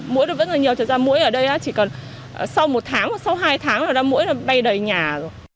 mũi nó vẫn là nhiều chẳng ra mũi ở đây chỉ cần sau một tháng hoặc sau hai tháng là mũi nó bay đầy nhà rồi